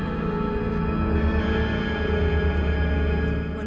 kamu orang hatu